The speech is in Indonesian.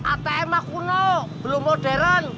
atm mak kuno belum modern